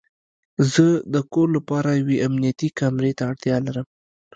زه د کور لپاره یوې امنیتي کامرې ته اړتیا لرم